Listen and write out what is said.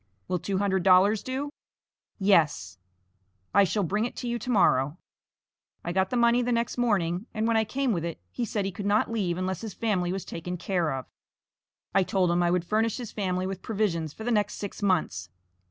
"Will two hundred dollars do?" "Yes." I shall bring it to you to morrow. I got the money the next morning, and when I came with it, he said, he could not leave unless his family was taken care of. I told him I would furnish his family with provisions for the next six months.